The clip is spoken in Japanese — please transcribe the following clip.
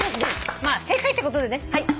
まあ正解ってことでね。